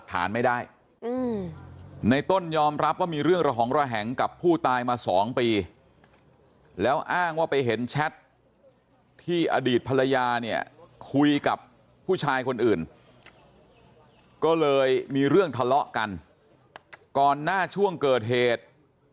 ฐานไม่ได้ในต้นยอมรับว่ามีเรื่องระหองระแหงกับผู้ตายมาสองปีแล้วอ้างว่าไปเห็นแชทที่อดีตภรรยาเนี่ยคุยกับผู้ชายคนอื่นก็เลยมีเรื่องทะเลาะกันก่อนหน้าช่วงเกิดเหตุ